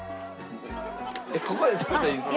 えっここで食べたらいいんですか？